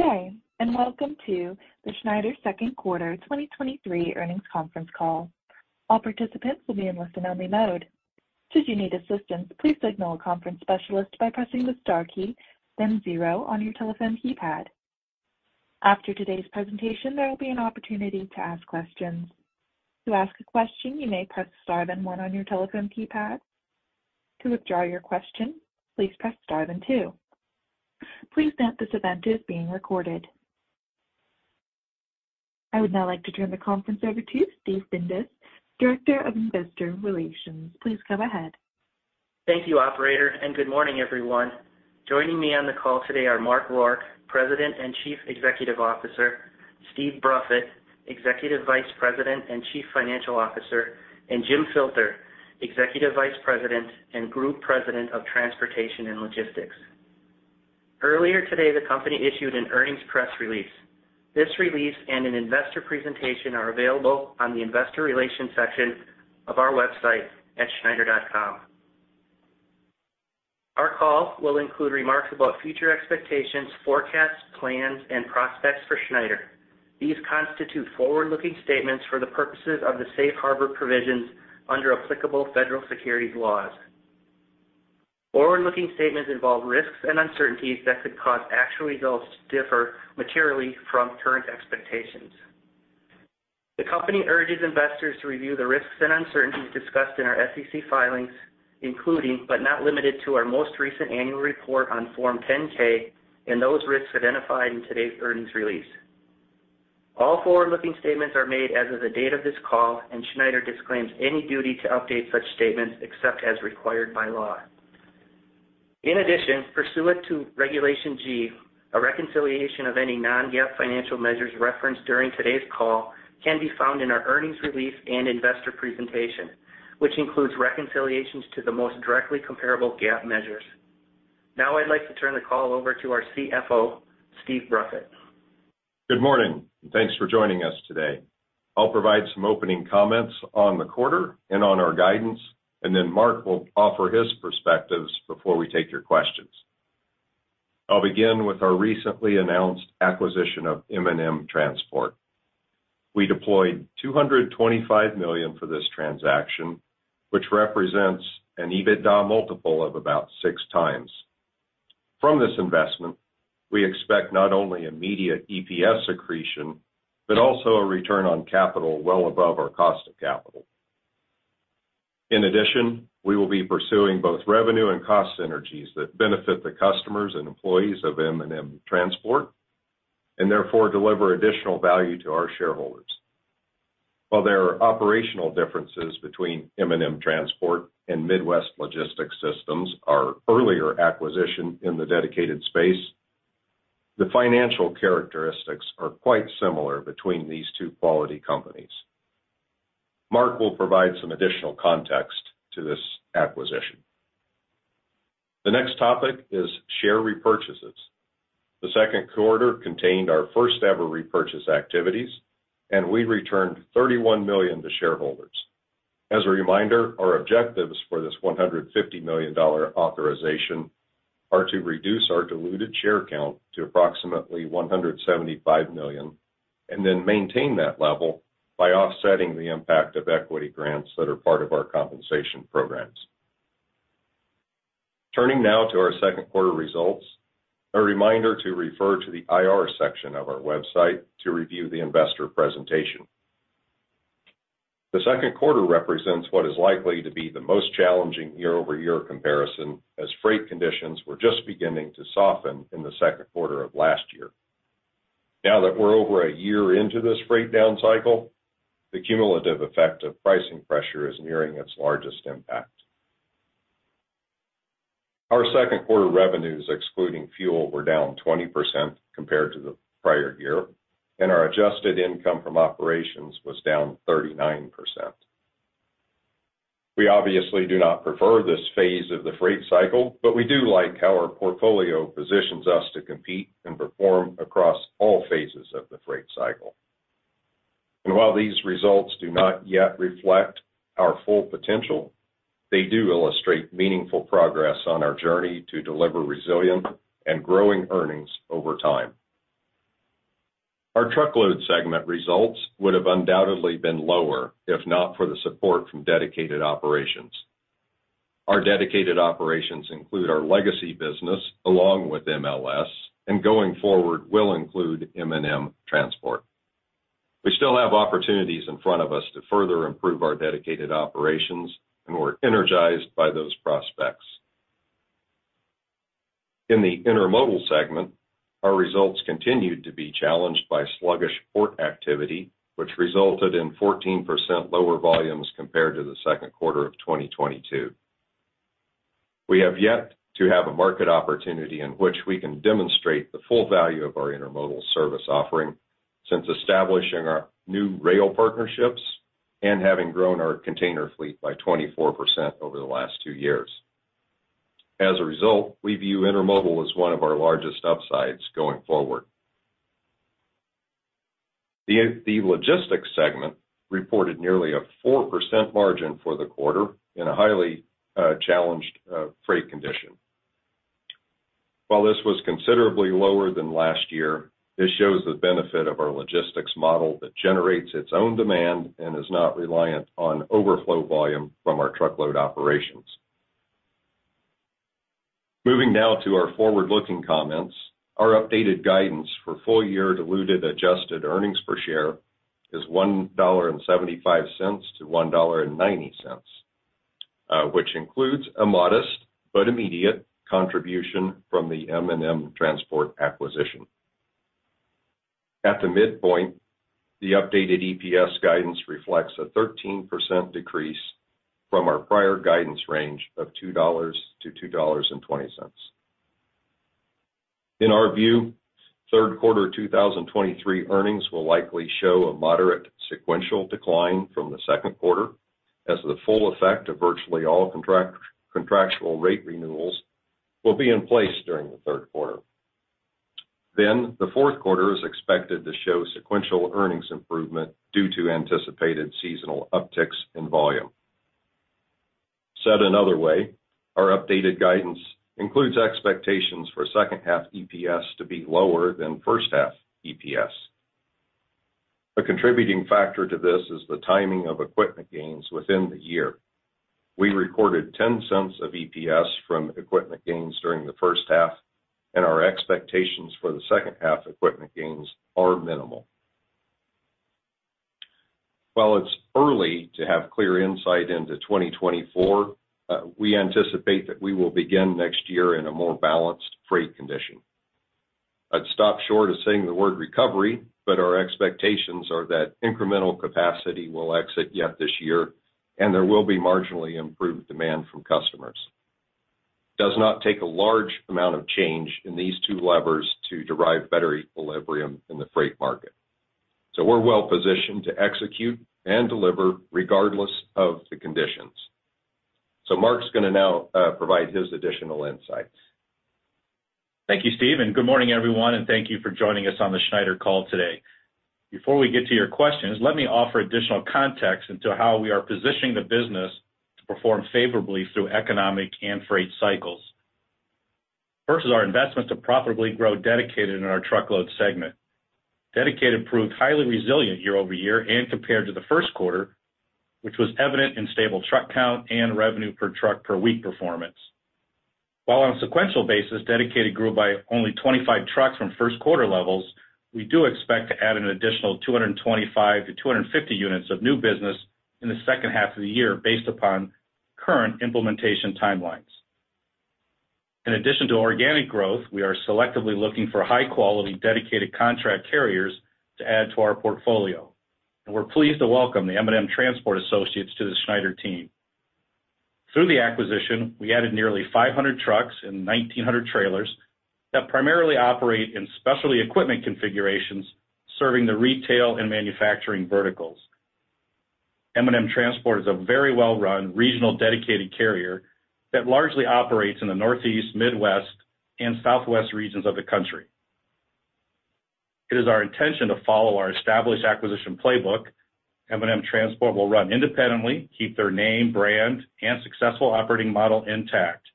day, and welcome to the Schneider Q2 2023 earnings conference call. All participants will be in listen-only mode. Should you need assistance, please signal a conference specialist by pressing the star key, then 0 on your telephone keypad. After today's presentation, there will be an opportunity to ask questions. To ask a question, you may press star, then 1 on your telephone keypad. To withdraw your question, please press star then 2. Please note this event is being recorded. I would now like to turn the conference over to Steve Bindas, Director of Investor Relations. Please go ahead. Thank you, operator, and good morning, everyone. Joining me on the call today are Mark Rourke, President and Chief Executive Officer, Steve Bruffett, Executive Vice President and Chief Financial Officer, and Jim Filter, Executive Vice President and Group President of Transportation and Logistics. Earlier today, the company issued an earnings press release. This release and an investor presentation are available on the investor relations section of our website at schneider.com. Our call will include remarks about future expectations, forecasts, plans, and prospects for Schneider. These constitute forward-looking statements for the purposes of the safe harbor provisions under applicable federal securities laws. Forward-looking statements involve risks and uncertainties that could cause actual results to differ materially from current expectations. The company urges investors to review the risks and uncertainties discussed in our SEC filings, including, but not limited to, our most recent annual report on Form 10-K and those risks identified in today's earnings release. All forward-looking statements are made as of the date of this call, and Schneider disclaims any duty to update such statements except as required by law. In addition, pursuant to Regulation G, a reconciliation of any non-GAAP financial measures referenced during today's call can be found in our earnings release and investor presentation, which includes reconciliations to the most directly comparable GAAP measures. Now I'd like to turn the call over to our CFO, Steve Bruffett. Good morning, and thanks for joining us today. I'll provide some opening comments on the quarter and on our guidance. Then Mark will offer his perspectives before we take your questions. I'll begin with our recently announced acquisition of M&M Transport. We deployed $225 million for this transaction, which represents an EBITDA multiple of about 6 times. From this investment, we expect not only immediate EPS accretion, but also a return on capital well above our cost of capital. In addition, we will be pursuing both revenue and cost synergies that benefit the customers and employees of M&M Transport and therefore deliver additional value to our shareholders. While there are operational differences between M&M Transport and Midwest Logistics Systems, our earlier acquisition in the dedicated space, the financial characteristics are quite similar between these two quality companies. Mark will provide some additional context to this acquisition. The next topic is share repurchases. The Q2 contained our first-ever repurchase activities, and we returned $31 million to shareholders. As a reminder, our objectives for this $150 million authorization are to reduce our diluted share count to approximately 175 million and then maintain that level by offsetting the impact of equity grants that are part of our compensation programs. Turning now to our Q2 results, a reminder to refer to the IR section of our website to review the investor presentation. The Q2 represents what is likely to be the most challenging year-over-year comparison, as freight conditions were just beginning to soften in the Q2 of last year. Now that we're over a year into this freight down cycle, the cumulative effect of pricing pressure is nearing its largest impact. Our Q2 revenues, excluding fuel, were down 20% compared to the prior year, and our adjusted income from operations was down 39%. We obviously do not prefer this phase of the freight cycle, but we do like how our portfolio positions us to compete and perform across all phases of the freight cycle. While these results do not yet reflect our full potential, they do illustrate meaningful progress on our journey to deliver resilient and growing earnings over time. Our Truckload segment results would have undoubtedly been lower, if not for the support from Dedicated operations. Our Dedicated operations include our legacy business along with MLS, and going forward, will include M&M Transport. We still have opportunities in front of us to further improve our Dedicated operations, and we're energized by those prospects. In the Intermodal segment, our results continued to be challenged by sluggish port activity, which resulted in 14% lower volumes compared to the Q2 of 2022. We have yet to have a market opportunity in which we can demonstrate the full value of our Intermodal service offering since establishing our new rail partnerships and having grown our container fleet by 24% over the last two years. As a result, we view Intermodal as one of our largest upsides going forward. The Logistics segment reported nearly a 4% margin for the quarter in a highly challenged freight condition. This was considerably lower than last year, this shows the benefit of our Logistics model that generates its own demand and is not reliant on overflow volume from our Truckload operations. Moving now to our forward-looking comments. Our updated guidance for full-year diluted adjusted earnings per share is $1.75-$1.90, which includes a modest but immediate contribution from the M&M Transport acquisition. At the midpoint, the updated EPS guidance reflects a 13% decrease from our prior guidance range of $2.00-$2.20. In our view, Q1 2023 earnings will likely show a moderate sequential decline from the second quarter, as the full effect of virtually all contractual rate renewals will be in place during the third quarter. The Q4 is expected to show sequential earnings improvement due to anticipated seasonal upticks in volume. Said another way, our updated guidance includes expectations for second half EPS to be lower than first half EPS. A contributing factor to this is the timing of equipment gains within the year. We recorded $0.10 of EPS from equipment gains during the first half, and our expectations for the second half equipment gains are minimal. While it's early to have clear insight into 2024, we anticipate that we will begin next year in a more balanced freight condition. I'd stop short of saying the word recovery, but our expectations are that incremental capacity will exit yet this year, and there will be marginally improved demand from customers. Does not take a large amount of change in these two levers to derive better equilibrium in the freight market. We're well positioned to execute and deliver regardless of the conditions. Mark's going to now provide his additional insights. Thank you, Steve, and good morning everyone, and thank you for joining us on the Schneider call today. Before we get to your questions, let me offer additional context into how we are positioning the business to perform favorably through economic and freight cycles. First is our investment to profitably grow Dedicated in our Truckload segment. Dedicated proved highly resilient year-over-year and compared to the first quarter, which was evident in stable truck count and revenue per truck per week performance. While on a sequential basis, Dedicated grew by only 25 trucks from Q1 levels, we do expect to add an additional 225-250 units of new business in the second half of the year based upon current implementation timelines. In addition to organic growth, we are selectively looking for high-quality Dedicated contract carriers to add to our portfolio, and we're pleased to welcome the M&M Transport associates to the Schneider team. Through the acquisition, we added nearly 500 trucks and 1,900 trailers that primarily operate in specialty equipment configurations, serving the retail and manufacturing verticals. M&M Transport is a very well-run, regional Dedicated carrier that largely operates in the Northeast, Midwest, and Southwest regions of the country. It is our intention to follow our established acquisition playbook. M&M Transport will run independently, keep their name, brand, and successful operating model intact.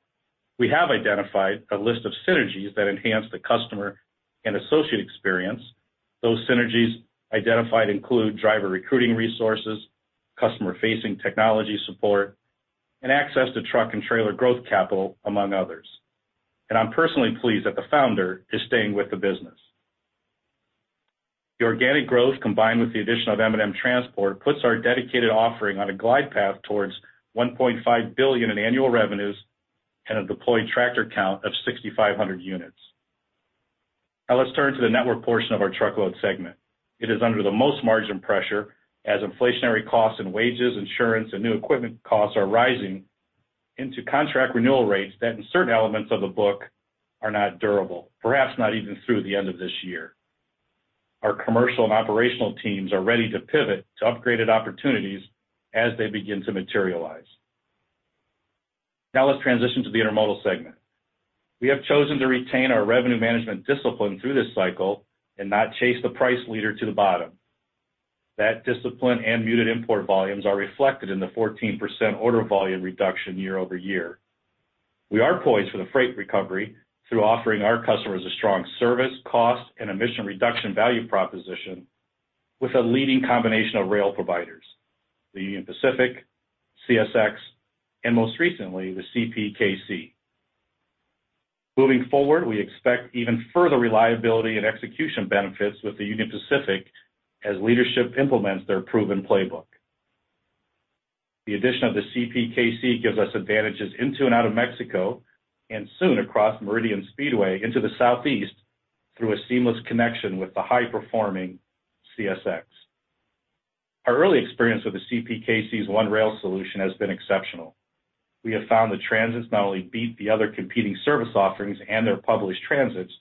We have identified a list of synergies that enhance the customer and associate experience. Those synergies identified include driver recruiting resources, customer-facing technology support, and access to truck and trailer growth capital, among others. I'm personally pleased that the founder is staying with the business. The organic growth, combined with the addition of M&M Transport, puts our Dedicated offering on a glide path towards $1.5 billion in annual revenues and a deployed tractor count of 6,500 units. Let's turn to the network portion of our Truckload segment. It is under the most margin pressure as inflationary costs and wages, insurance, and new equipment costs are rising into contract renewal rates that in certain elements of the book are not durable, perhaps not even through the end of this year. Our commercial and operational teams are ready to pivot to upgraded opportunities as they begin to materialize. Let's transition to the Intermodal segment. We have chosen to retain our revenue management discipline through this cycle and not chase the price leader to the bottom. That discipline and muted import volumes are reflected in the 14% order volume reduction year over year. We are poised for the freight recovery through offering our customers a strong service, cost, and emission reduction value proposition with a leading combination of rail providers, the Union Pacific, CSX, and most recently, the CPKC. Moving forward, we expect even further reliability and execution benefits with the Union Pacific as leadership implements their proven playbook. The addition of the CPKC gives us advantages into and out of Mexico, and soon across Meridian Speedway into the Southeast, through a seamless connection with the high-performing CSX. Our early experience with the CPKC's one-rail solution has been exceptional. We have found the transits not only beat the other competing service offerings and their published transits,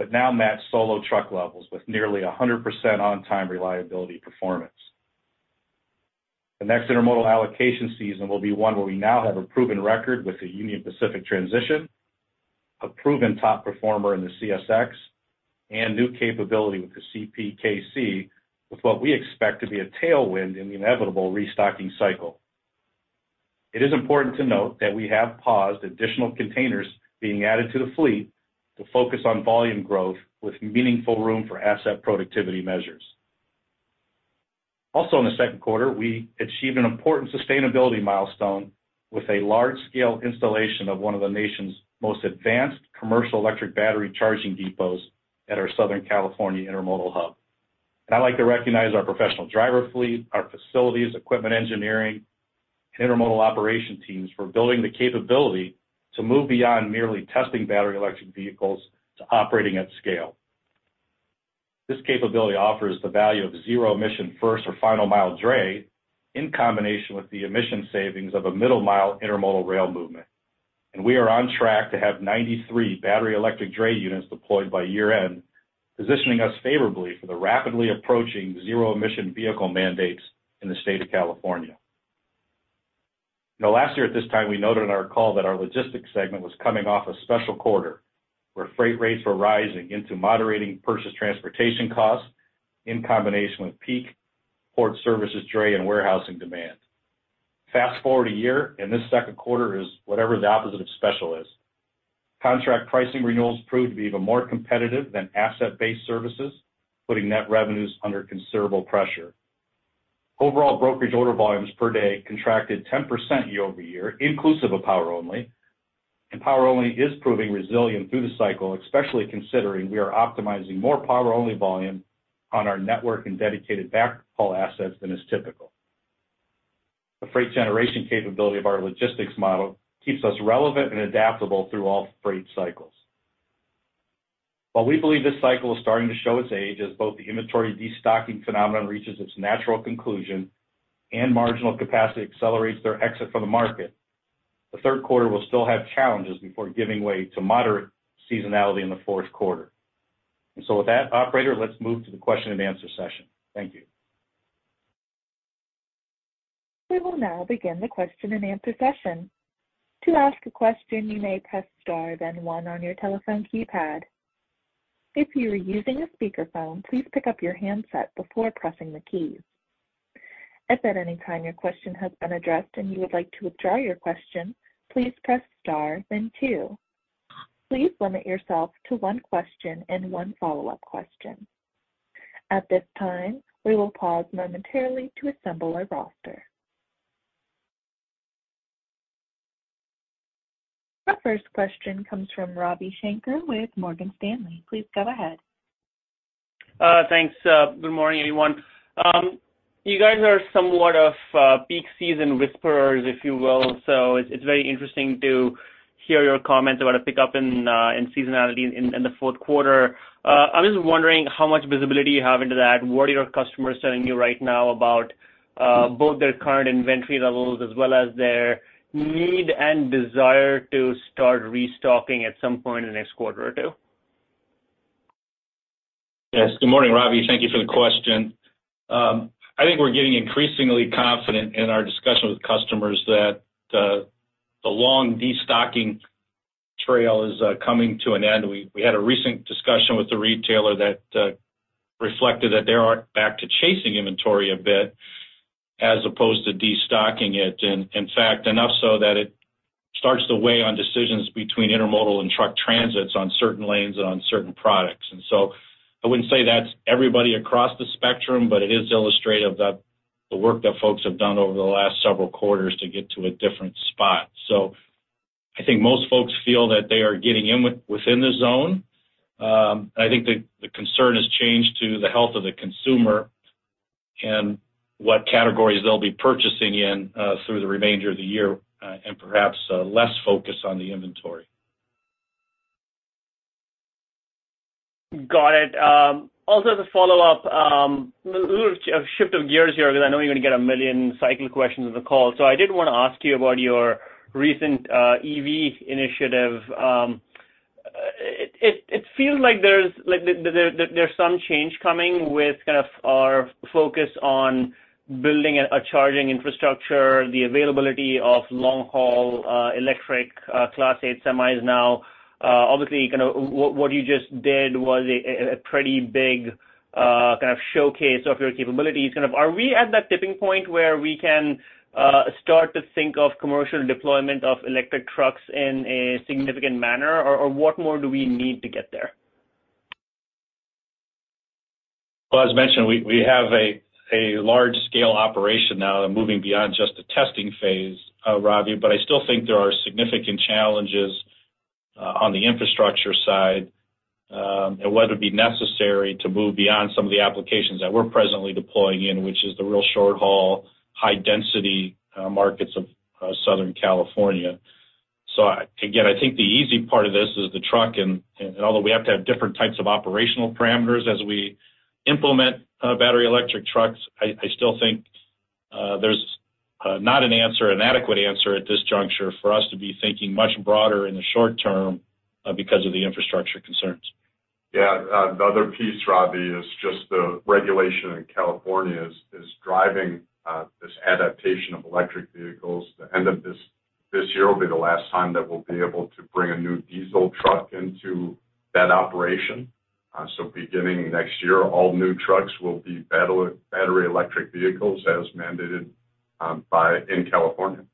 but now match solo truck levels with nearly 100% on-time reliability performance. The next intermodal allocation season will be one where we now have a proven record with the Union Pacific transition, a proven top performer in the CSX, and new capability with the CPKC, with what we expect to be a tailwind in the inevitable restocking cycle. It is important to note that we have paused additional containers being added to the fleet to focus on volume growth with meaningful room for asset productivity measures. Also, in the second quarter, we achieved an important sustainability milestone with a large-scale installation of one of the nation's most advanced commercial electric battery charging depots at our Southern California intermodal hub. I'd like to recognize our professional driver fleet, our facilities, equipment engineering, and intermodal operation teams for building the capability to move beyond merely testing battery electric vehicles to operating at scale. This capability offers the value of zero emission first or final mile dray, in combination with the emission savings of a middle-mile intermodal rail movement. We are on track to have 93 battery electric dray units deployed by year-end, positioning us favorably for the rapidly approaching zero emission vehicle mandates in the state of California. Now, last year at this time, we noted in our call that our Logistics segment was coming off a special quarter, where freight rates were rising into moderating purchase transportation costs in combination with peak port services, dray, and warehousing demand. Fast forward a year, this Q2 is whatever the opposite of special is. Contract pricing renewals proved to be even more competitive than asset-based services, putting net revenues under considerable pressure. Overall, brokerage order volumes per day contracted 10% year-over-year, inclusive of Power Only, and Power Only is proving resilient through the cycle, especially considering we are optimizing more Power Only volume on our network and Dedicated backhaul assets than is typical. The freight generation capability of our Logistics model keeps us relevant and adaptable through all freight cycles. While we believe this cycle is starting to show its age, as both the inventory destocking phenomenon reaches its natural conclusion and marginal capacity accelerates their exit from the market, the Q3 will still have challenges before giving way to moderate seasonality in the fourth quarter. So with that, operator, let's move to the question and answer session. Thank you. We will now begin the question and answer session. To ask a question, you may press star, then one on your telephone keypad. If you are using a speakerphone, please pick up your handset before pressing the key. If at any time your question has been addressed and you would like to withdraw your question, please press star, then two. Please limit yourself to one question and one follow-up question. At this time, we will pause momentarily to assemble our roster. Our first question comes from Ravi Shanker with Morgan Stanley. Please go ahead. Thanks. Good morning, everyone. You guys are somewhat of peak season whisperers, if you will, so it's very interesting to hear your comments about a pickup in seasonality in the fourth quarter. I'm just wondering how much visibility you have into that, and what are your customers telling you right now about both their current inventory levels as well as their need and desire to start restocking at some point in the next quarter or two? Yes. Good morning, Ravi. Thank you for the question. I think we're getting increasingly confident in our discussion with customers that the, the long destocking trail is coming to an end. We had a recent discussion with the retailer that reflected that they are back to chasing inventory a bit as opposed to destocking it. In fact, enough so that it starts to weigh on decisions between Intermodal and truck transits on certain lanes and on certain products. I wouldn't say that's everybody across the spectrum, but it is illustrative that the work that folks have done over the last several quarters to get to a different spot. I think most folks feel that they are getting within the zone. I think the, the concern has changed to the health of the consumer and what categories they'll be purchasing in, through the remainder of the year, and perhaps, less focus on the inventory. Got it. Also as a follow-up, a little shift of gears here, because I know you're going to get 1 million cycling questions on the call. I did want to ask you about your recent EV initiative. It, it, it feels like there's, like, the, the, there's some change coming with kind of our focus on building a, a charging infrastructure, the availability of long-haul, electric, Class 8 semis now. Obviously, kind of what, what you just did was a, a, a pretty big, kind of showcase of your capabilities. Kind of are we at that tipping point where we can start to think of commercial deployment of electric trucks in a significant manner, or, or what more do we need to get there? As mentioned, we, we have a large-scale operation now that moving beyond just the testing phase, Ravi, but I still think there are significant challenges on the infrastructure side, and whether it be necessary to move beyond some of the applications that we're presently deploying in, which is the real short-haul, high-density markets of Southern California. Again, I think the easy part of this is the truck, and, and although we have to have different types of operational parameters as we implement battery electric trucks, I, I still think there's not an answer, an adequate answer at this juncture for us to be thinking much broader in the short term because of the infrastructure concerns. Yeah, the other piece, Robbie, is just the regulation in California is, is driving, this adaptation of electric vehicles. The end of this, this year will be the last time that we'll be able to bring a new diesel truck into that operation. Beginning next year, all new trucks will be battery electric vehicles, as mandated, by, in California.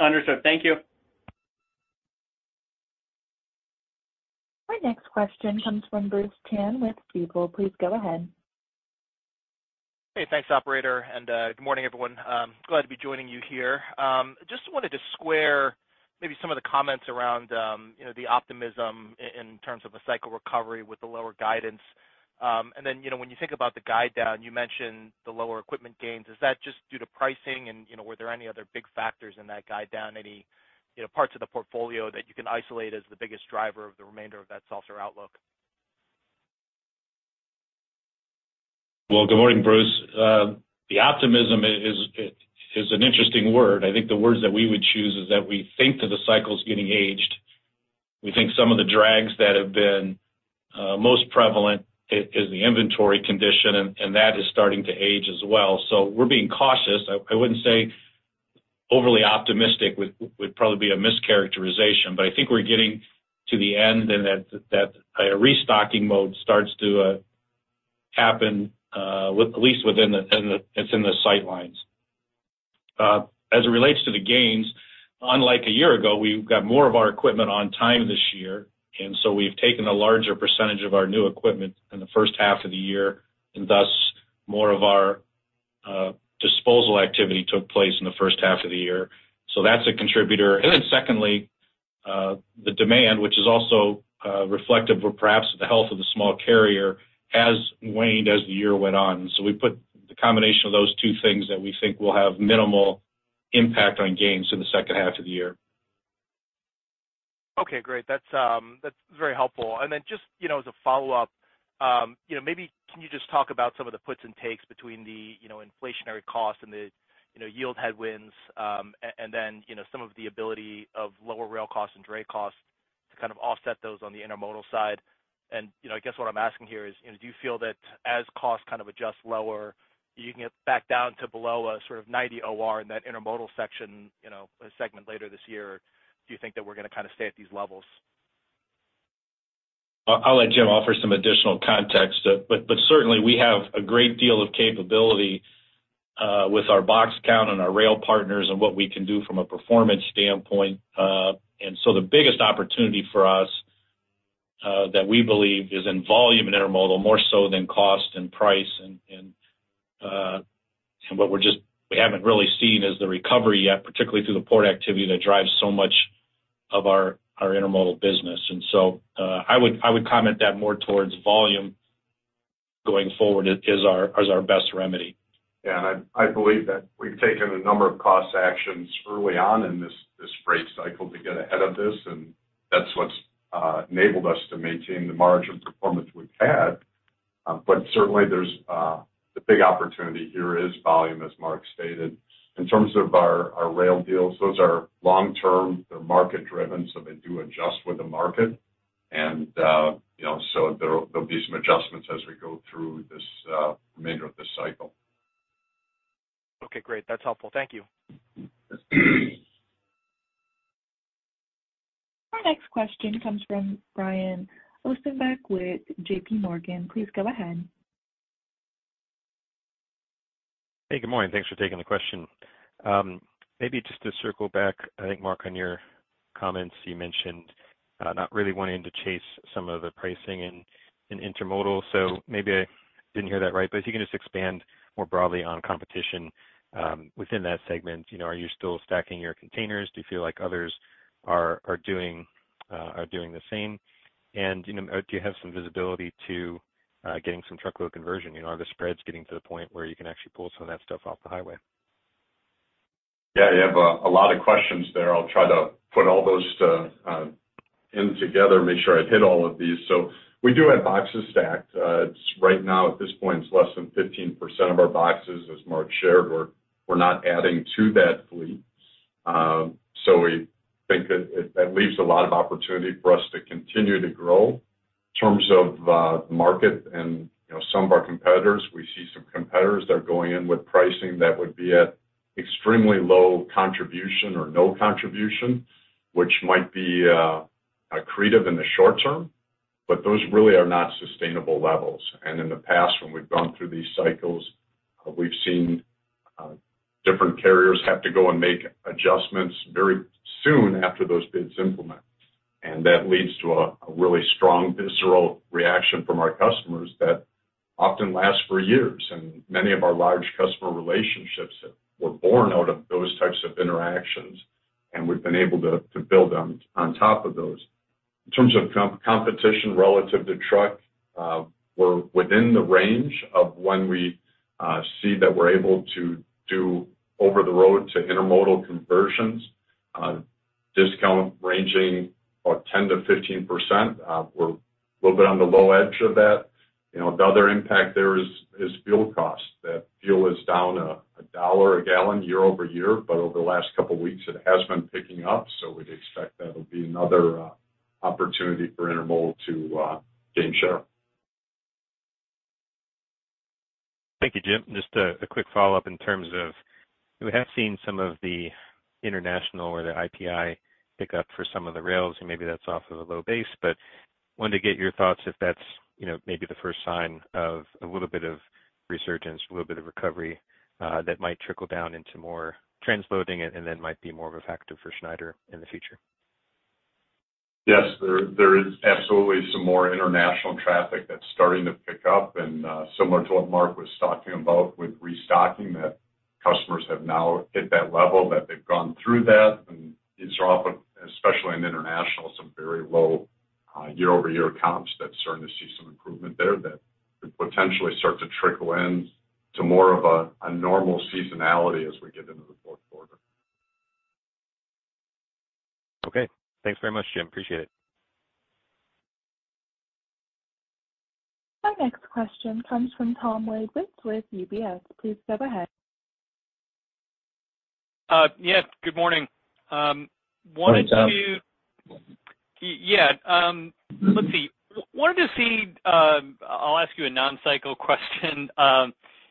Understood. Thank you. Our next question comes from Bruce Chan with Stifel. Please go ahead. Hey, thanks, operator, good morning, everyone. Glad to be joining you here. Just wanted to square maybe some of the comments around, you know, the optimism in, in terms of a cycle recovery with the lower guidance. Then, you know, when you think about the guide down, you mentioned the lower equipment gains. Is that just due to pricing? You know, were there any other big factors in that guide down? Any, you know, parts of the portfolio that you can isolate as the biggest driver of the remainder of that software outlook? Well, good morning, Bruce. The optimism is, it is an interesting word. I think the words that we would choose is that we think that the cycle is getting aged. We think some of the drags that have been most prevalent is, is the inventory condition, and, and that is starting to age as well. So we're being cautious. I, I wouldn't say overly optimistic would, would probably be a mischaracterization, but I think we're getting to the end, and that, that, a restocking mode starts to happen with at least within the, in the, it's in the sight lines. As it relates to the gains, unlike a year ago, we've got more of our equipment on time this year, and so we've taken a larger percentage of our new equipment in the first half of the year, and thus, more of our disposal activity took place in the first half of the year. That's a contributor. Then secondly, the demand, which is also reflective of perhaps the health of the small carrier, has waned as the year went on. We put the combination of those two things that we think will have minimal impact on gains in the second half of the year. Okay, great. That's, that's very helpful. Then just, you know, as a follow-up, you know, maybe can you just talk about some of the puts and takes between the, you know, inflationary costs and the, you know, yield headwinds, and then, you know, some of the ability of lower rail costs and dray costs to kind of offset those on the Intermodal side. You know, I guess what I'm asking here is, you know, do you feel that as costs kind of adjust lower, you can get back down to below a sort of 90 OR in that Intermodal section, you know, a segment later this year? Do you think that we're gonna kind of stay at these levels? I, I'll let Jim offer some additional context, but certainly we have a great deal of capability, with our box count and our rail partners and what we can do from a performance standpoint. The biggest opportunity for us, that we believe is in volume and Intermodal, more so than cost and price. What we're just, we haven't really seen is the recovery yet, particularly through the port activity, that drives so much of our, our Intermodal business. I would, I would comment that more towards volume going forward is, is our, is our best remedy. Yeah, I, I believe that we've taken a number of cost actions early on in this, this rate cycle to get ahead of this, and that's what's enabled us to maintain the margin performance we've had. Certainly there's, the big opportunity here is volume, as Mark Rourke stated. In terms of our, our rail deals, those are long term. They're market driven, so they do adjust with the market. You know, so there, there'll be some adjustments as we go through this, remainder of this cycle. Okay, great. That's helpful. Thank you. Our next question comes from Brian Ossenbeck with J.P. Morgan. Please go ahead. Hey, good morning. Thanks for taking the question. Maybe just to circle back, I think, Mark, on your comments, you mentioned not really wanting to chase some of the pricing in Intermodal, so maybe I didn't hear that right, but if you can just expand more broadly on competition within that segment. You know, are you still stacking your containers? Do you feel like others are doing the same? And, you know, do you have some visibility to getting some Truckload conversion? Are the spreads getting to the point where you can actually pull some of that stuff off the highway? Yeah, you have a, a lot of questions there. I'll try to put all those to in together, make sure I hit all of these. We do have boxes stacked. It's right now, at this point, it's less than 15% of our boxes, as Mark shared, we're, we're not adding to that fleet. We think that it, that leaves a lot of opportunity for us to continue to grow. In terms of, the market and, you know, some of our competitors, we see some competitors that are going in with pricing that would be at extremely low contribution or no contribution, which might be, accretive in the short term, but those really are not sustainable levels. In the past, when we've gone through these cycles, we've seen different carriers have to go and make adjustments very soon after those bids implement. That leads to a really strong visceral reaction from our customers that often lasts for years. Many of our large customer relationships were born out of those types of interactions, and we've been able to build on top of those. In terms of competition relative to truck, we're within the range of when we see that we're able to do over the road to intermodal conversions, discount ranging about 10%-15%. We're a little bit on the low edge of that. You know, the other impact there is, is fuel cost. That fuel is down $1 a gallon year-over-year, but over the last couple of weeks, it has been picking up, so we'd expect that'll be another opportunity for Intermodal to gain share. Thank you, Jim. Just a quick follow-up in terms of, we have seen some of the international or the IPI pick up for some of the rails. Maybe that's off of a low base. Wanted to get your thoughts if that's, you know, maybe the first sign of a little bit of resurgence, a little bit of recovery, that might trickle down into more transloading and then might be more of effective for Schneider in the future. Yes, there, there is absolutely some more international traffic that's starting to pick up. Similar to what Mark was talking about with restocking, that customers have now hit that level, that they've gone through that. These are often, especially in international, some very low year-over-year comps that's starting to see some improvement there that could potentially start to trickle in to more of a, a normal seasonality as we get into the fourth quarter. Okay. Thanks very much, Jim. Appreciate it. Our next question comes from Tom Wadewitz with UBS. Please go ahead. Yes, good morning. wanted to. Good morning, Tom. Yeah, let's see. Wanted to see. I'll ask you a non-cycle question.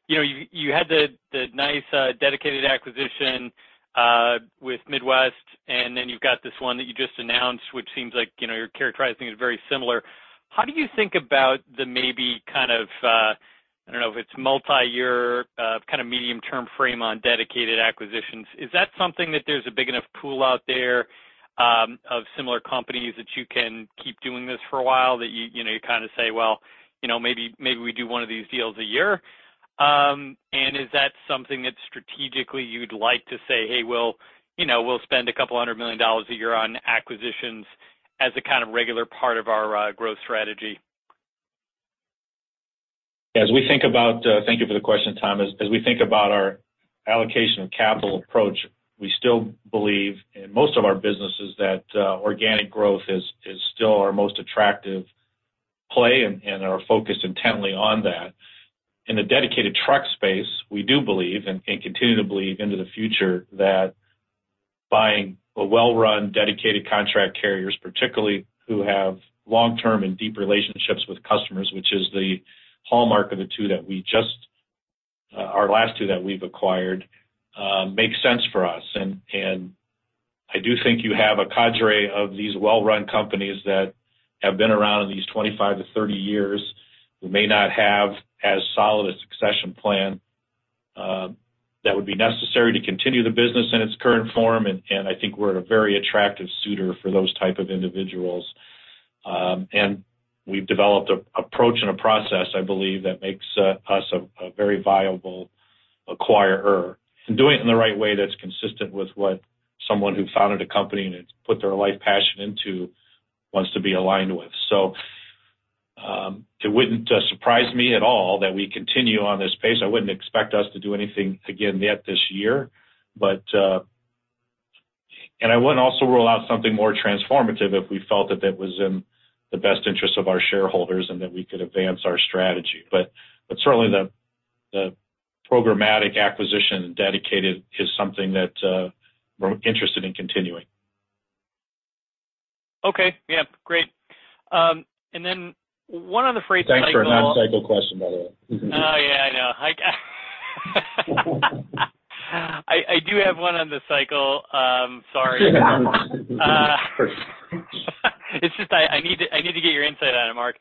You know, you, you had the nice Dedicated acquisition with Midwest, and then you've got this one that you just announced, which seems like, you know, you're characterizing it very similar. How do you think about the maybe kind of, I don't know if it's multiyear, kind of medium-term frame on Dedicated acquisitions? Is that something that there's a big enough pool out there, of similar companies that you can keep doing this for a while, that you, you know, you kind of say, Well, you know, maybe, maybe we do one of these deals a year? Is that something that strategically you'd like to say, "Hey, we'll, you know, we'll spend $200 million a year on acquisitions as a kind of regular part of our growth strategy? As we think about. Thank you for the question, Tom. As we think about our allocation of capital approach, we still believe in most of our businesses that organic growth is still our most attractive play and are focused intently on that. In the Dedicated truck space, we do believe and continue to believe into the future, that buying a well-run, Dedicated contract carriers, particularly who have long-term and deep relationships with customers, which is the hallmark of the two that we just, our last two that we've acquired, makes sense for us. I do think you have a cadre of these well-run companies that have been around in these 25-30 years, who may not have as solid a succession plan that would be necessary to continue the business in its current form. I think we're a very attractive suitor for those type of individuals. We've developed a approach and a process, I believe, that makes us a very viable acquirer, and doing it in the right way that's consistent with what someone who founded a company and has put their life passion into wants to be aligned with. It wouldn't surprise me at all that we continue on this pace. I wouldn't expect us to do anything again yet this year, but... I wouldn't also rule out something more transformative if we felt that that was in the best interest of our shareholders and that we could advance our strategy. Certainly, the programmatic acquisition and Dedicated is something that we're interested in continuing. Okay. Yeah, great. And then one other phrase- Thanks for a non-cycle question, by the way. Oh, yeah, I know. I, I do have one on the cycle, sorry. Sure. It's just I, I need to, I need to get your insight on it, Mark.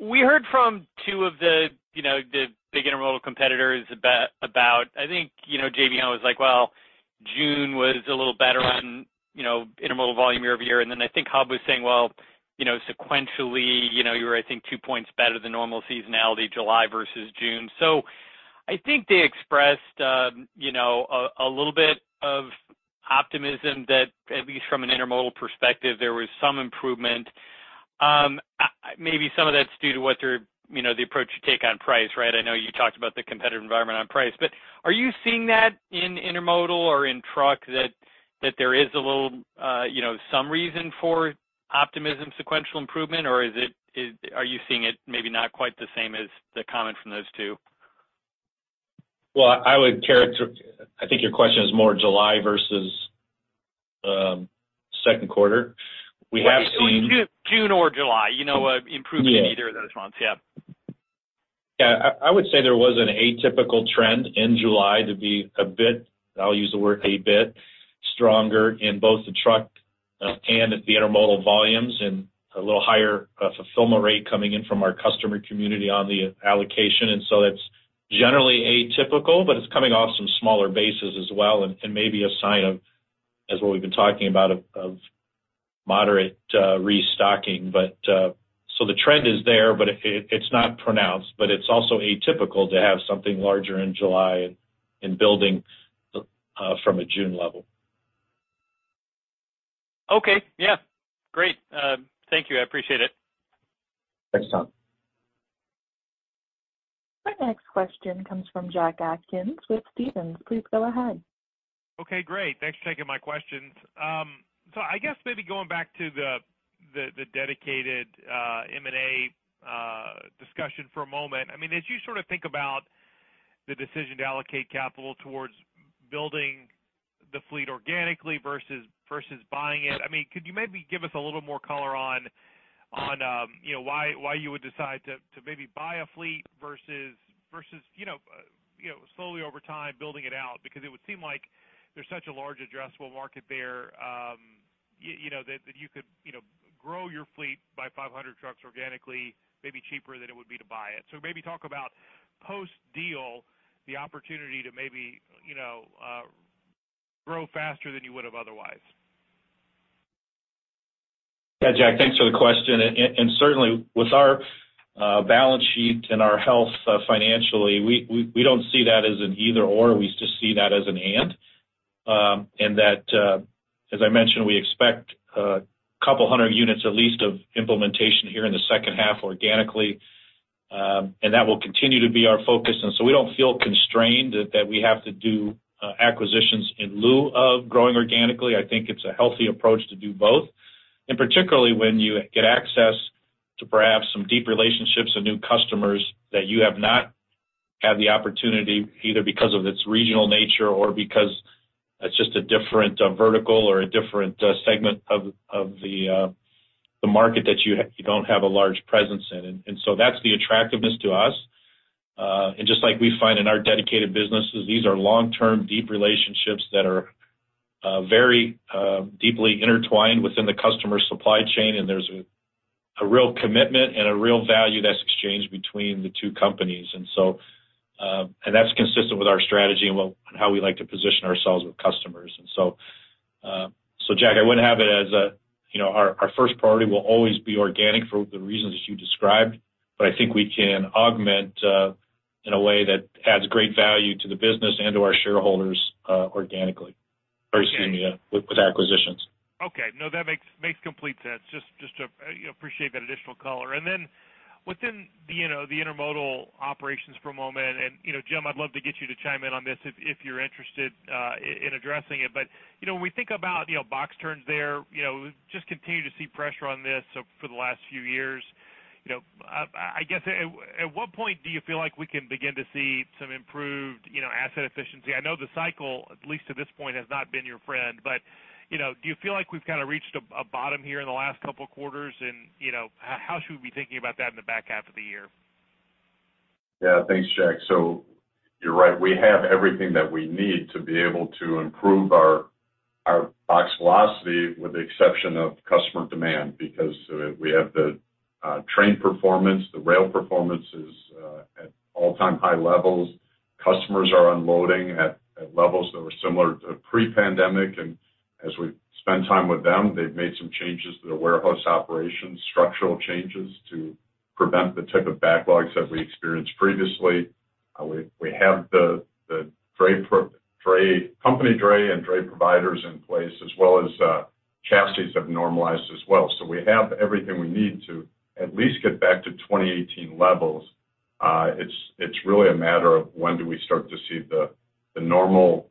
we heard from 2 of the, you know, the big intermodal competitors about, about... I think, you know, J.B. Hunt was like, "Well, June was a little better on, you know, intermodal volume year-over-year." I think Hub Group was saying, "Well, you know, sequentially, you know, you were, I think, 2 points better than normal seasonality, July versus June." I think they expressed, you know, a little bit of optimism that at least from an intermodal perspective, there was some improvement. Maybe some of that's due to what your, you know, the approach you take on price, right? I know you talked about the competitive environment on price. Are you seeing that in Intermodal or in truck, that, that there is a little, you know, some reason for optimism, sequential improvement, or is it, are you seeing it maybe not quite the same as the comment from those two? I think your question is more July versus second quarter. June or July, you know, improvement in either of those months. Yeah. Yeah. I, I would say there was an atypical trend in July to be a bit, I'll use the word, a bit stronger in both the truck and at the intermodal volumes, and a little higher fulfillment rate coming in from our customer community on the allocation. That's generally atypical, but it's coming off some smaller bases as well, and, and maybe a sign of, as what we've been talking about, of, of moderate, restocking. The trend is there, but it, it, it's not pronounced, but it's also atypical to have something larger in July and, and building from a June level. Okay. Yeah. Great. Thank you. I appreciate it. Thanks, Tom. Our next question comes from Jack Atkins with Stephens. Please go ahead. Okay, great. Thanks for taking my questions. I guess maybe going back to the, the, the Dedicated, M&A discussion for a moment. I mean, as you sort of think about the decision to allocate capital towards building the fleet organically versus, versus buying it, I mean, could you maybe give us a little more color on, on, you know, why, why you would decide to, to maybe buy a fleet versus, versus, you know, you know, slowly over time building it out? It would seem like there's such a large addressable market there, you know, that, that you could, you know, grow your fleet by 500 trucks organically, maybe cheaper than it would be to buy it. Maybe talk about post-deal, the opportunity to maybe, you know, grow faster than you would have otherwise. Yeah, Jack, thanks for the question. Certainly, with our balance sheet and our health financially, we, we, we don't see that as an either/or. We just see that as an and. That, as I mentioned, we expect 200 units, at least, of implementation here in the 2nd half organically, and that will continue to be our focus. So we don't feel constrained that, that we have to do acquisitions in lieu of growing organically. I think it's a healthy approach to do both, and particularly when you get access to perhaps some deep relationships and new customers that you have not had the opportunity, either because of its regional nature or because it's just a different vertical or a different segment of, of the, the market that you, you don't have a large presence in. attractiveness to us. And just like we find in our Dedicated businesses, these are long-term, deep relationships that are very deeply intertwined within the customer supply chain, and there's a real commitment and a real value that's exchanged between the two companies. And so that's consistent with our strategy and well, on how we like to position ourselves with customers. So Jack, I would have it as a, you know, our first priority will always be organic for the reasons that you described, but I think we can augment in a way that adds great value to the business and to our shareholders, organically- Okay. Excuse me, with, with acquisitions. Okay. No, that makes, makes complete sense. Just, just to, you know, appreciate that additional color. And then within the, you know, the Intermodal operations for a moment, and, you know, Jim, I'd love to get you to chime in on this if, if you're interested, in addressing it. But, you know, when we think about, you know, box turns there, you know, just continue to see pressure on this so for the last few years. You know, I, I guess, at, at what point do you feel like we can begin to see some improved, you know, asset efficiency? I know the cycle, at least to this point, has not been your friend, but, you know, do you feel like we've kind of reached a, a bottom here in the last couple of quarters? you know, how should we be thinking about that in the back half of the year? Yeah. Thanks, Jack. You're right. We have everything that we need to be able to improve our, our box velocity, with the exception of customer demand, because we have the train performance, the rail performance is at all-time high levels. Customers are unloading at, at levels that were similar to pre-pandemic, and as we spend time with them, they've made some changes to the warehouse operations, structural changes to prevent the type of backlogs that we experienced previously. We have the dray, company dray and dray providers in place, as well as chassis have normalized as well. We have everything we need to at least get back to 2018 levels. It's, it's really a matter of when do we start to see the, the normal,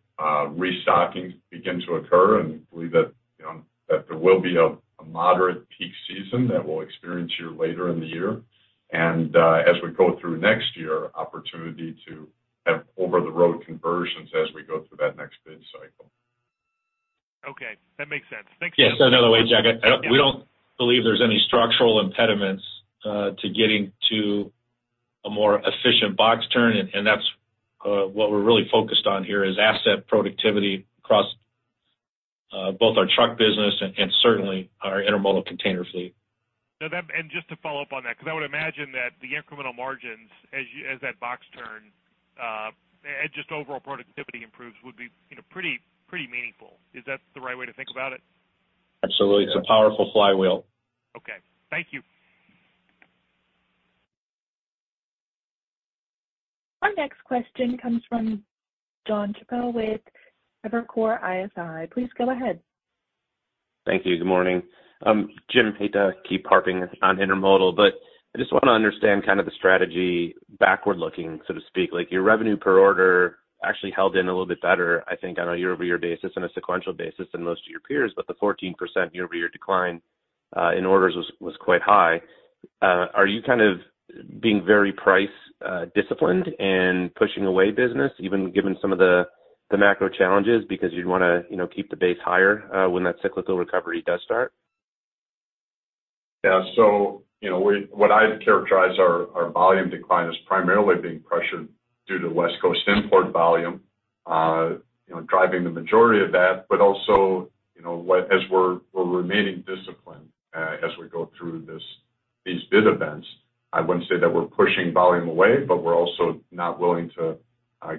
restocking begin to occur, and we believe that, you know, that there will be a, a moderate peak season that we'll experience here later in the year. As we go through next year, opportunity to have over-the-road conversions as we go through that next bid cycle. Okay, that makes sense. Thanks. Yes, another way, Jack, we don't believe there's any structural impediments to getting to a more efficient box turn, and that's what we're really focused on here is asset productivity across both our truck business and certainly our Intermodal container fleet. Just to follow up on that, because I would imagine that the incremental margins as that box turn, and just overall productivity improves, would be, you know, pretty, pretty meaningful. Is that the right way to think about it? Absolutely. Yes. It's a powerful flywheel. Okay. Thank you. Our next question comes from John Chappell with Evercore ISI. Please go ahead. Thank you. Good morning. Jim, hate to keep harping on Intermodal, but I just want to understand kind of the strategy backward-looking, so to speak. Like, your revenue per order actually held in a little bit better, I think, on a year-over-year basis and a sequential basis than most of your peers, but the 14% year-over-year decline in orders was, was quite high. Are you kind of being very price disciplined and pushing away business, even given some of the, the macro challenges, because you'd wanna, you know, keep the base higher when that cyclical recovery does start? Yeah, you know, we, what I'd characterize our, our volume decline as primarily being pressured due to West Coast import volume, you know, driving the majority of that, but also, you know, what, as we're, we're remaining disciplined as we go through these bid events. I wouldn't say that we're pushing volume away, but we're also not willing to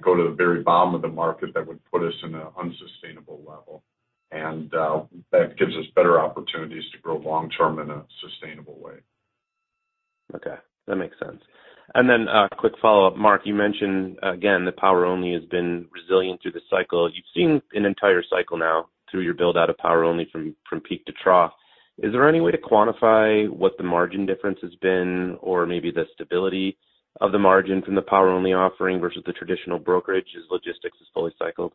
go to the very bottom of the market that would put us in an unsustainable level. That gives us better opportunities to grow long term in a sustainable way. Okay, that makes sense. Quick follow-up. Mark, you mentioned again that Power Only has been resilient through the cycle. You've seen an entire cycle now through your build out of Power Only from, from peak to trough. Is there any way to quantify what the margin difference has been, or maybe the stability of the margin from the Power Only offering versus the traditional brokerage as Logistics is fully cycled?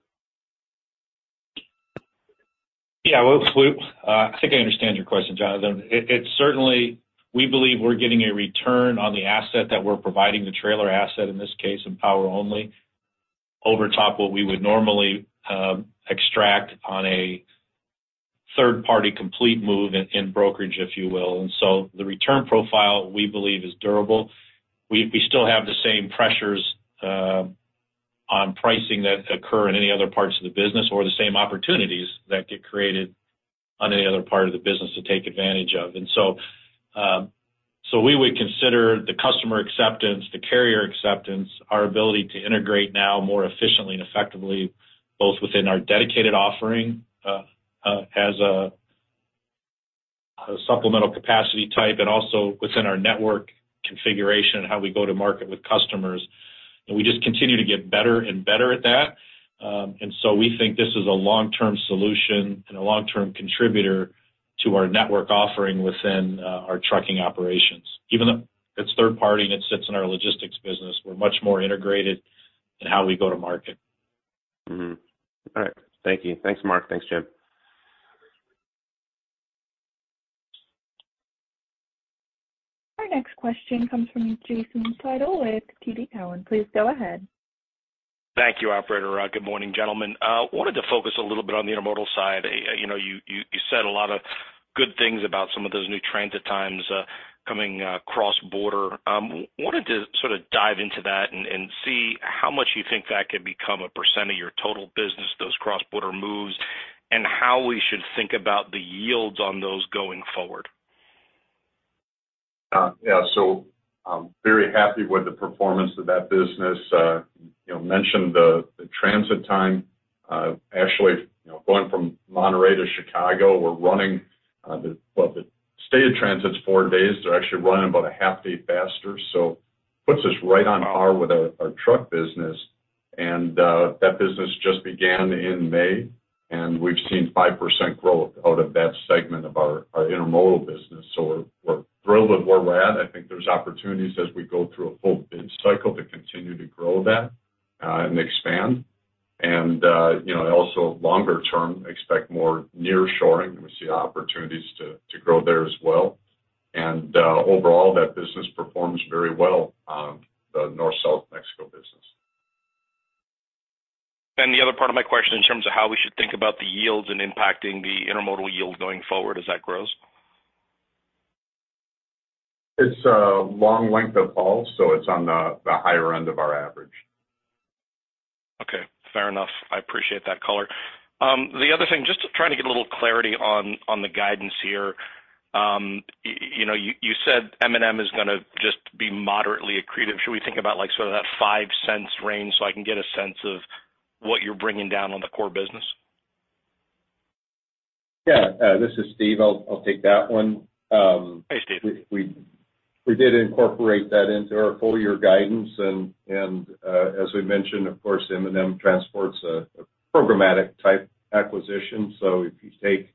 Yeah, well, we, I think I understand your question, Jonathan. It, it certainly, we believe we're getting a return on the asset that we're providing, the trailer asset, in this case, in Power Only, over top what we would normally, extract on a third-party complete move in, in brokerage, if you will. The return profile, we believe, is durable. We, we still have the same pressures, on pricing that occur in any other parts of the business or the same opportunities that get created on any other part of the business to take advantage of. We would consider the customer acceptance, the carrier acceptance, our ability to integrate now more efficiently and effectively, both within our Dedicated offering, as a, a supplemental capacity type, and also within our network configuration and how we go to market with customers. We just continue to get better and better at that. We think this is a long-term solution and a long-term contributor to our network offering within our trucking operations. Even though it's third party and it sits in our Logistics business, we're much more integrated in how we go to market. All right. Thank you. Thanks, Mark. Thanks, Jim. Our next question comes from Jason Seidl with TD Cowen. Please go ahead. Thank you, operator. Good morning, gentlemen. I wanted to focus a little bit on the Intermodal side. You know, you, you, you said a lot of good things about some of those new transit times, coming cross-border. Wanted to sort of dive into that and, and see how much you think that could become a % of your total business, those cross-border moves, and how we should think about the yields on those going forward. Yeah, I'm very happy with the performance of that business. You know, mentioned the, the transit time, actually, you know, going from Monterrey to Chicago, we're running, the state of transit is 4 days. They're actually running about a half day faster, puts us right on par with our, our truck business. That business just began in May, we've seen 5% growth out of that segment of our, our Intermodal business. We're, we're thrilled with where we're at. I think there's opportunities as we go through a full bid cycle to continue to grow that and expand. You know, also longer term, expect more nearshoring, we see opportunities to, to grow there as well. Overall, that business performs very well, the North-South Mexico business. The other part of my question in terms of how we should think about the yields and impacting the Intermodal yields going forward as that grows? It's a long length of all, so it's on the, the higher end of our average. Okay, fair enough. I appreciate that color. The other thing, just trying to get a little clarity on, on the guidance here. You know, you, you said M&M is going to just be moderately accretive. Should we think about, like, sort of that $0.05 range so I can get a sense of what you're bringing down on the core business? Yeah, this is Steve. I'll, I'll take that one. Hey, Steve. We did incorporate that into our full year guidance, and as we mentioned, of course, M&M Transport's a programmatic type acquisition. If you take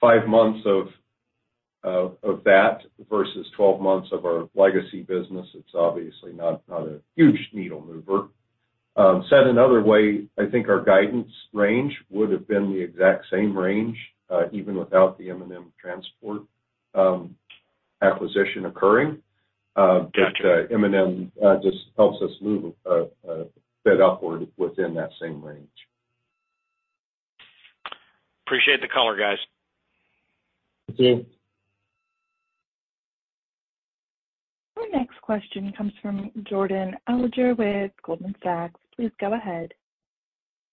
5 months of that versus 12 months of our legacy business, it's obviously not a huge needle mover. Said another way, I think our guidance range would have been the exact same range, even without the M&M Transport acquisition occurring. Got you. M&M just helps us move bit upward within that same range. Appreciate the color, guys. Thank you. Our next question comes from Jordan Alliger with Goldman Sachs. Please go ahead.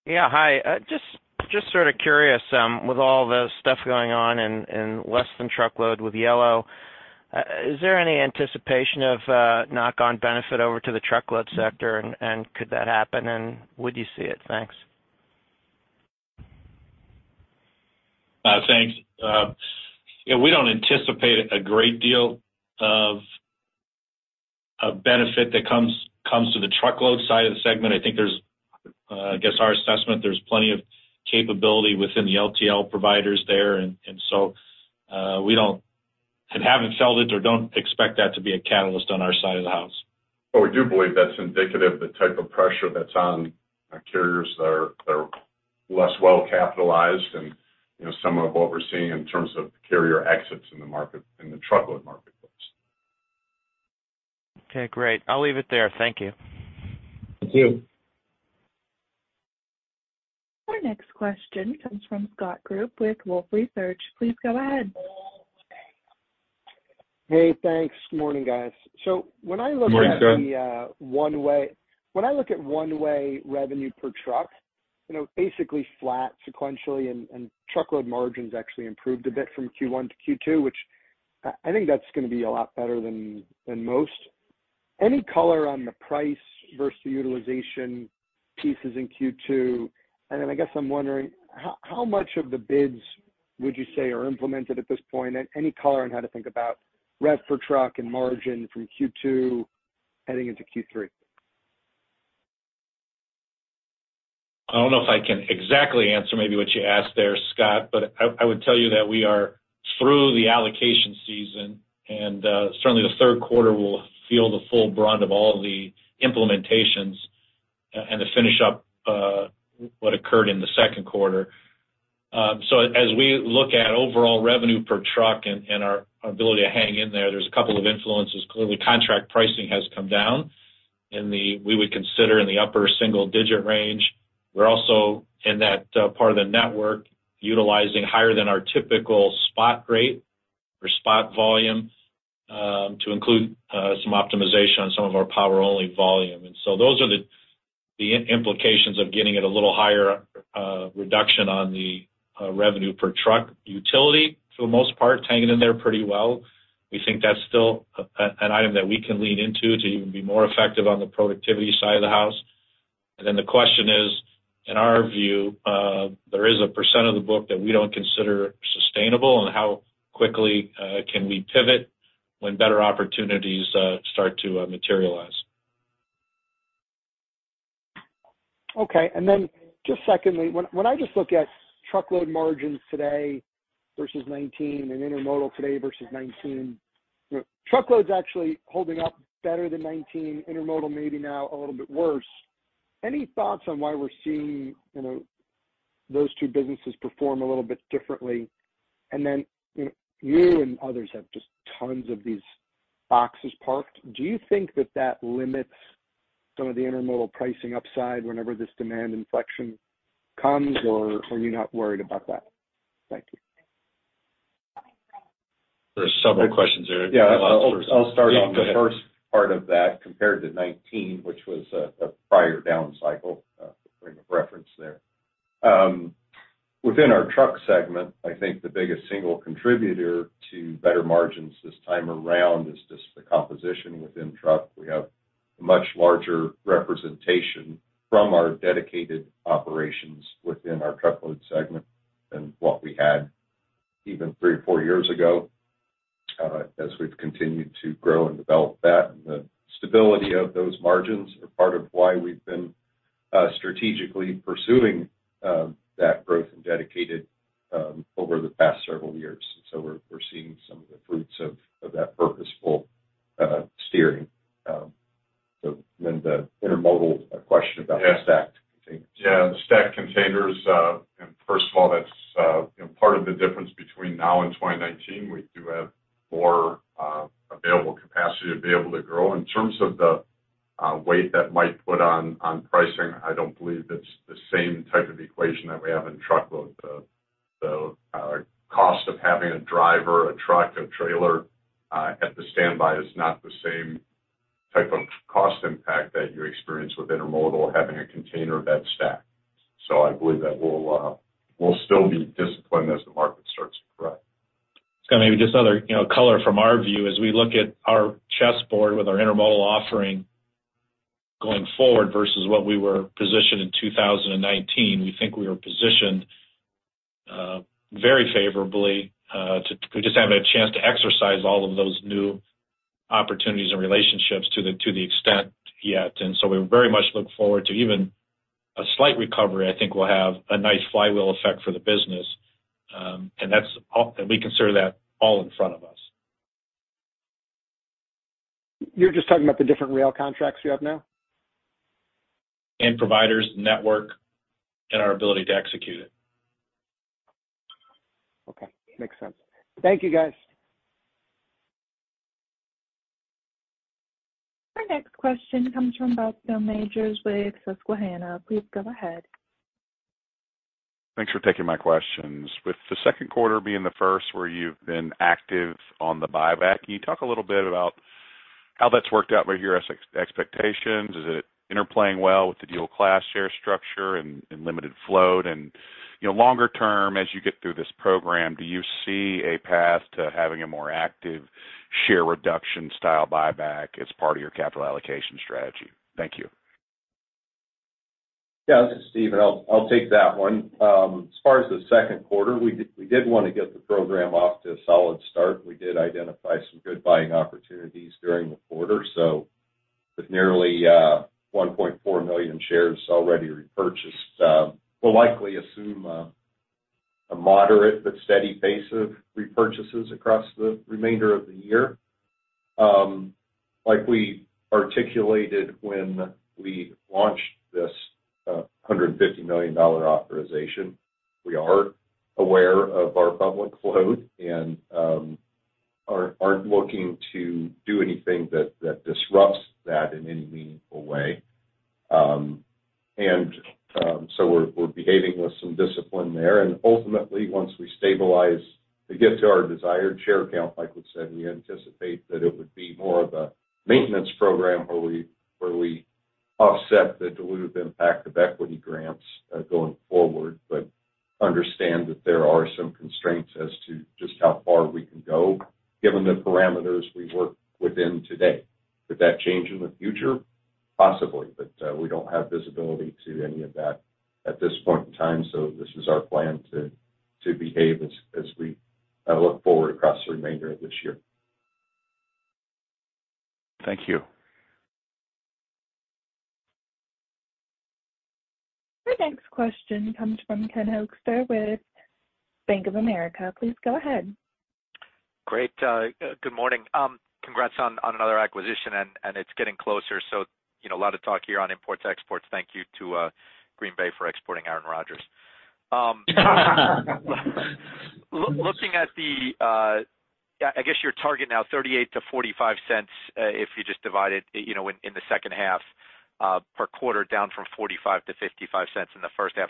Yeah. Hi. Just, just sort of curious, with all the stuff going on in, in less than truckload with Yellow, is there any anticipation of, knock on benefit over to the Truckload sector, and, and could that happen, and would you see it? Thanks. Thanks. Yeah, we don't anticipate a great deal of, of benefit that comes, comes to the Truckload side of the segment. I think there's, I guess, our assessment, there's plenty of capability within the LTL providers there, and so, we don't and haven't felt it or don't expect that to be a catalyst on our side of the house. We do believe that's indicative of the type of pressure that's on our carriers that are, that are less well capitalized and, you know, some of what we're seeing in terms of carrier exits in the market, in the truckload marketplace. Okay, great. I'll leave it there. Thank you. Thank you. Our next question comes from Scott Group with Wolfe Research. Please go ahead. Hey, thanks. Good morning, guys. When I look. Good morning, Scott. When I look at one-way revenue per truck, you know, basically flat sequentially, and Truckload margins actually improved a bit from Q1 to Q2, which I think that's going to be a lot better than most. Any color on the price versus the utilization pieces in Q2? I guess I'm wondering, how, how much of the bids would you say are implemented at this point? Any color on how to think about rev per truck and margin from Q2 heading into Q3? I don't know if I can exactly answer maybe what you asked there, Scott, but I, I would tell you that we are through the allocation season, and certainly, the Q3 will feel the full brunt of all the implementations and to finish up what occurred in the second quarter. So as we look at overall revenue per truck and our ability to hang in there, there's a couple of influences. Clearly, contract pricing has come down we would consider in the upper single digit range. We're also in that part of the network, utilizing higher than our typical spot rate or spot volume, to include some optimization on some of our Power Only volume. So those are the implications of getting at a little higher reduction on the revenue per truck. Utility, for the most part, hanging in there pretty well. We think that's still an item that we can lean into to even be more effective on the productivity side of the house. The question is, in our view, there is a % of the book that we don't consider sustainable, and how quickly can we pivot when better opportunities start to materialize? Okay. Then just secondly, when, when I just look at Truckload margins today versus 2019 and Intermodal today versus 2019, Truckload's actually holding up better than 2019, Intermodal maybe now a little bit worse. Any thoughts on why we're seeing, you know, those two businesses perform a little bit differently? Then, you know, you and others have just tons of these boxes parked. Do you think that that limits some of the Intermodal pricing upside whenever this demand inflection comes, or are you not worried about that? Thank you. There are several questions there. Yeah, I'll, I'll start on the first part of that, compared to 2019, which was a, a prior down cycle, to bring a reference there. Within our Truck Segment, I think the biggest single contributor to better margins this time around is just the composition within Truck. We have a much larger representation from our Dedicated operations within our Truckload Segment than what we had even three or four years ago, as we've continued to grow and develop that. And the stability of those margins are part of why we've been strategically pursuing that growth in Dedicated over the past several years. We're, we're seeing some of the fruits of, of that purposeful steering. The Intermodal question about the stacked containers. Yeah, the stacked containers, first of all, that's, you know, part of the difference between now and 2019. We do have more available capacity to be able to grow. In terms of the weight that might put on, on pricing, I don't believe it's the same type of equation that we have in Truckload. The, the cost of having a driver, a truck, a trailer, at the standby is not the same type of cost impact that you experience with Intermodal, having a container that's stacked. I believe that we'll, we'll still be disciplined as the market starts to grow. Scott, maybe just another, you know, color from our view. As we look at our chess board with our Intermodal offering going forward versus what we were positioned in 2019, we think we are positioned very favorably to... We just haven't had a chance to exercise all of those new opportunities and relationships to the, to the extent yet. So we very much look forward to even a slight recovery, I think will have a nice flywheel effect for the business. That's all- and we consider that all in front of us. You're just talking about the different rail contracts you have now? providers, network, and our ability to execute it. Okay. Makes sense. Thank you, guys. Our next question comes from Bascome Majors with Susquehanna. Please go ahead. Thanks for taking my questions. With the Q2 being the first where you've been active on the buyback, can you talk a little bit about how that's worked out by your expectations? Is it interplaying well with the dual class share structure and limited float? you know, longer term, as you get through this program, do you see a path to having a more active share reduction style buyback as part of your capital allocation strategy? Thank you. This is Steve, I'll take that one. As far as the second quarter, we did want to get the program off to a solid start. We did identify some good buying opportunities during the quarter. With nearly 1.4 million shares already repurchased, we'll likely assume a moderate but steady pace of repurchases across the remainder of the year. Like we articulated when we launched this $150 million authorization, we are aware of our public float and aren't looking to do anything that disrupts that in any meaningful way. We're behaving with some discipline there. Ultimately, once we stabilize to get to our desired share count, like we said, we anticipate that it would be more of a maintenance program where we, where we offset the dilutive impact of equity grants going forward. Understand that there are some constraints as to just how far we can go, given the parameters we work within today. Could that change in the future? Possibly, but we don't have visibility to any of that at this point in time. This is our plan to, to behave as, as we look forward across the remainder of this year. Thank you. Our next question comes from Ken Hoexter with Bank of America. Please go ahead. Great, good morning. Congrats on another acquisition, and it's getting closer, so, you know, a lot of talk here on imports, exports. Thank you to Green Bay for exporting Aaron Rodgers. Looking at the, I guess, your target now $0.38-$0.45, if you just divide it, you know, in the second half, per quarter, down from $0.45-$0.55 in the first half.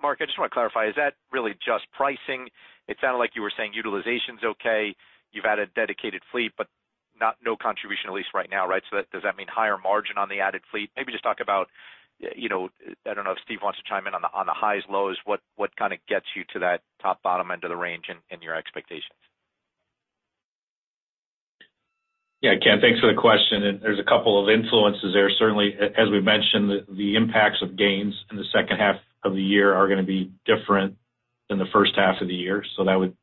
Mark, I just want to clarify, is that really just pricing? It sounded like you were saying utilization's okay, you've added Dedicated fleet, but no contribution, at least right now, right? Does that mean higher margin on the added fleet? Maybe just talk about, you know, I don't know if Steve wants to chime in on the, on the highs, lows, what, what kind of gets you to that top, bottom end of the range in, in your expectations. Yeah, Ken, thanks for the question. There's 2 influences there. Certainly, as we've mentioned, the impacts of gains in the second half of the year are going to be different than the first half of the year, so that would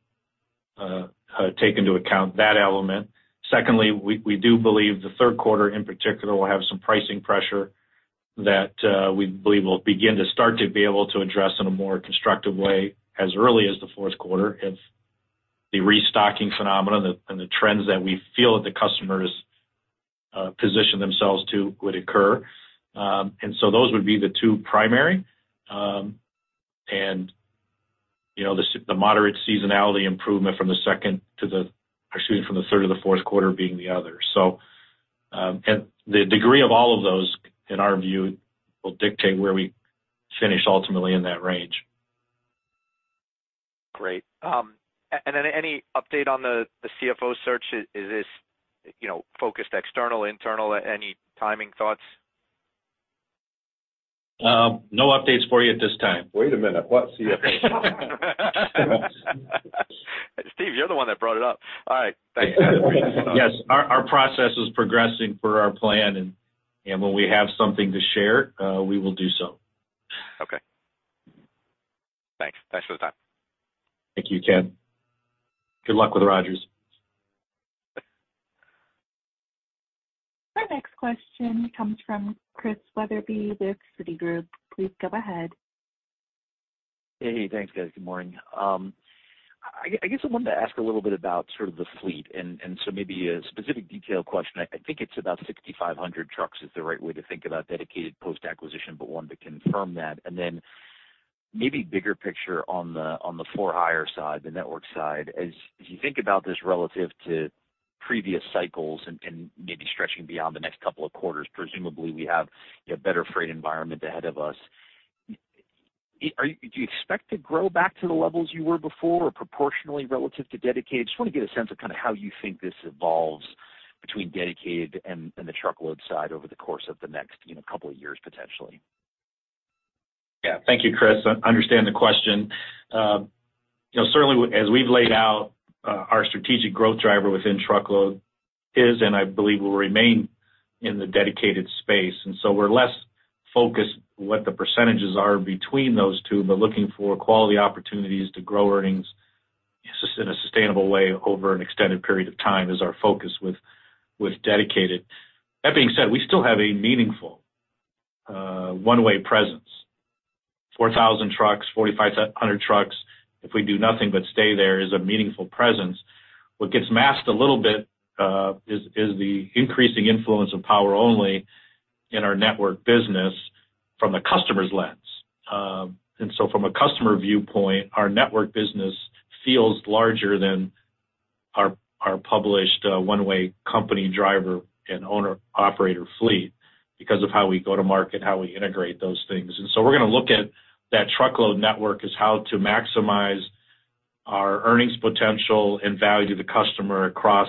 take into account that element. Secondly, we do believe the Q3, in particular, will have some pricing pressure that we believe will begin to start to be able to address in a more constructive way as early as the Q4, if the restocking phenomenon and the trends that we feel that the customers position themselves to would occur. Those would be the 2 primary. You know, the moderate seasonality improvement from the second to the, or excuse me, from the third to the Q4 being the other. The degree of all of those, in our view, will dictate where we finish ultimately in that range. Great. Then any update on the, the CFO search? Is this, you know, focused external, internal, any timing thoughts? No updates for you at this time. Wait a minute, what CFO? Steve, you're the one that brought it up. All right, thanks. Yes, our, our process is progressing per our plan, and when we have something to share, we will do so. Okay. Thanks. Thanks for the time. Thank you, Ken. Good luck with Rodgers. Our next question comes from Chris Wetherbee with Citigroup. Please go ahead. Hey. Thanks, guys. Good morning. I wanted to ask a little bit about sort of the fleet, a specific detailed question. I think it's about 6,500 trucks is the right way to think about Dedicated post-acquisition, but wanted to confirm that. Then maybe bigger picture on the for-hire side, the network side. As you think about this relative to previous cycles and maybe stretching beyond the next couple of quarters, presumably, we have, you have better freight environment ahead of us. Do you expect to grow back to the levels you were before or proportionally relative to Dedicated? Just want to get a sense of kind of how you think this evolves between Dedicated and the Truckload side over the course of the next couple of years, potentially. Yeah. Thank you, Chris. I understand the question. You know, certainly, as we've laid out, our strategic growth driver within Truckload is, and I believe will remain in the Dedicated space. We're less focused what the percentages are between those two, but looking for quality opportunities to grow earnings in a sustainable way over an extended period of time, is our focus with, with Dedicated. That being said, we still have a meaningful, one-way presence. 4,000 trucks, 4,500 trucks, if we do nothing but stay there, is a meaningful presence. What gets masked a little bit, is, is the increasing influence of Power Only in our network business from a customer's lens. From a customer viewpoint, our network business feels larger than our, our published, one-way company driver and owner-operator fleet because of how we go to market, how we integrate those things. We're going to look at that Truckload network as how to maximize our earnings potential and value to the customer across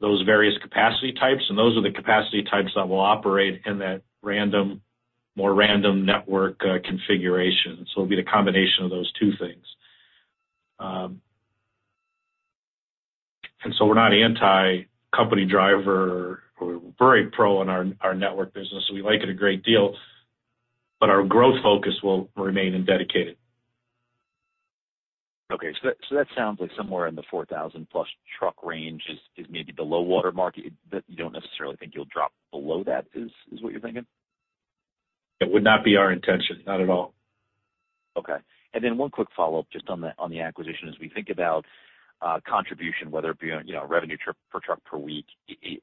those various capacity types, and those are the capacity types that will operate in that random, more random network, configuration. It'll be the combination of those two things. We're not anti-company driver. We're very pro in our, our network business, so we like it a great deal, but our growth focus will remain in Dedicated. Okay. That, so that sounds like somewhere in the 4,000 plus truck range is, is maybe the low water mark. That you don't necessarily think you'll drop below that, is, is what you're thinking? It would not be our intention, not at all. Okay. Then one quick follow-up, just on the, on the acquisition. As we think about contribution, whether it be on, you know, revenue per truck per week,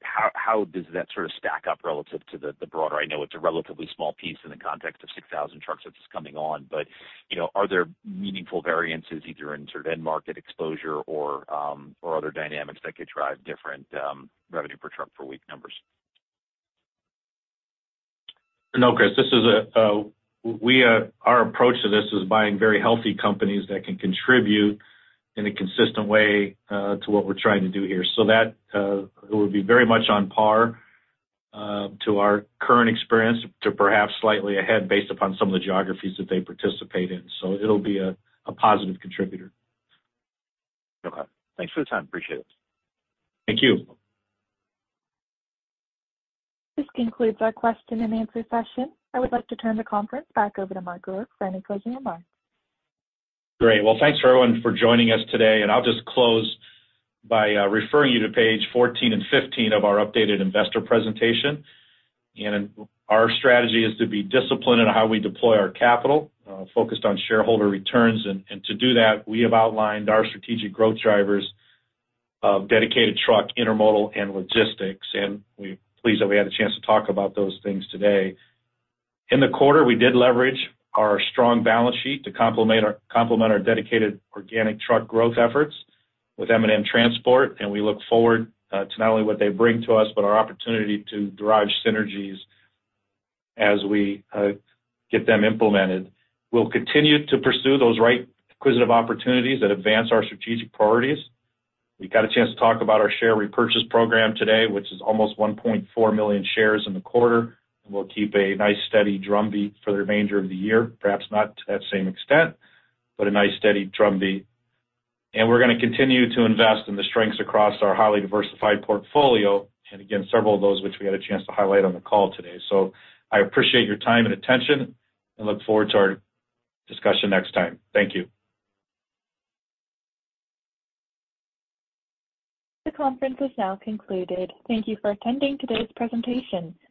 how, how does that sort of stack up relative to the, the broader...? I know it's a relatively small piece in the context of 6,000 trucks that's coming on, but, you know, are there meaningful variances either in sort of end market exposure or other dynamics that could drive different revenue per truck per week numbers? No, Chris, this is. Our approach to this is buying very healthy companies that can contribute in a consistent way to what we're trying to do here. That, it would be very much on par to our current experience, to perhaps slightly ahead, based upon some of the geographies that they participate in. It'll be a, a positive contributor. Okay. Thanks for the time. Appreciate it. Thank you. This concludes our question and answer session. I would like to turn the conference back over to Mark Rourke for any closing remarks. Great. Well, thanks, everyone, for joining us today, and I'll just close by referring you to page 14 and 15 of our updated investor presentation. Our strategy is to be disciplined in how we deploy our capital, focused on shareholder returns. To do that, we have outlined our strategic growth drivers of Dedicated Truck, Intermodal, and Logistics. We're pleased that we had a chance to talk about those things today. In the quarter, we did leverage our strong balance sheet to complement our, complement our Dedicated organic truck growth efforts with M&M Transport. We look forward to not only what they bring to us, but our opportunity to derive synergies as we get them implemented. We'll continue to pursue those right acquisitive opportunities that advance our strategic priorities. We got a chance to talk about our share repurchase program today, which is almost 1.4 million shares in the quarter. We'll keep a nice, steady drumbeat for the remainder of the year. Perhaps not to that same extent, but a nice, steady drumbeat. We're going to continue to invest in the strengths across our highly diversified portfolio, and again, several of those, which we had a chance to highlight on the call today. I appreciate your time and attention, and look forward to our discussion next time. Thank you. The conference is now concluded. Thank you for attending today's presentation. You may dis-